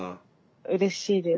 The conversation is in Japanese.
うれしいです。